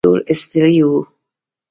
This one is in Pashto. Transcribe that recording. ټول ستړي وو.